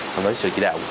và với sự chỉ đạo